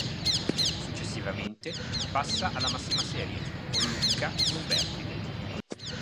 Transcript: Successivamente passa alla massima serie, con Lucca e Umbertide.